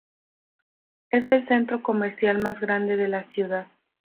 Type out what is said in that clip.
Es el centro comercial más grande de la ciudad.